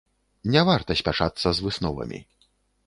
Не варта спяшацца з высновамі.